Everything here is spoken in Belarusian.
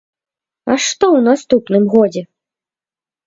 А што ў наступным годзе?